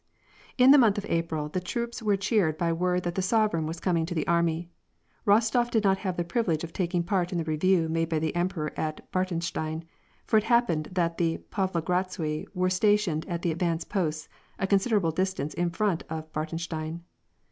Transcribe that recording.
In the month of April, the troops were cheered by word that the sovereign was coming to the army. Rostof did not have the privilege of taking part in the review made by the emperor at Bartenstein, for it happened that the Pavlogradsui wero stationed at the advanced posts, a considerable distance in front of Bartenstein.